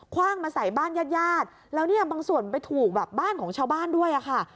คว่างมาใส่บ้านญาติแล้วบางส่วนไปถูกบ้านของชาวบ้านด้วยค่ะ